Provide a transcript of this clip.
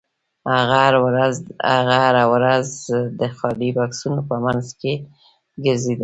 هغه هره ورځ د خالي بکسونو په مینځ کې ګرځیده